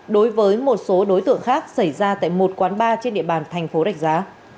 đối với một số đối tượng khác xảy ra tại một quán bar trên địa bàn thành phố rạch giá